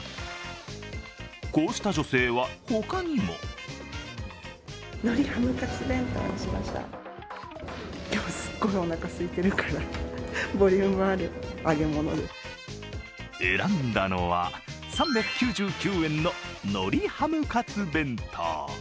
こうした女性は他にも選んだのは３９９円ののりハムカツ弁当。